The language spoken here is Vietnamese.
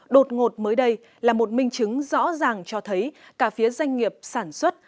đột ngột mới đây là một minh chứng rõ ràng cho thấy cả phía doanh nghiệp sản xuất